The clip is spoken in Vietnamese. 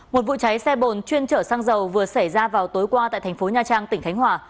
một vụ cháy xe bồn chuyên chở xăng dầu vừa xảy ra vào tối qua tại thành phố nha trang tỉnh khánh hòa